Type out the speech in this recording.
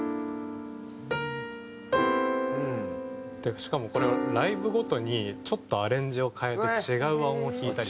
しかもこれをライブごとにちょっとアレンジを変えて違う和音を弾いたり。